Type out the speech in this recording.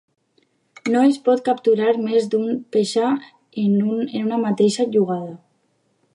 No es pot capturar més d'una peça en una mateixa jugada.